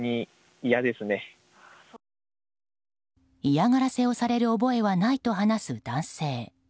嫌がらせをされる覚えはないと話す男性。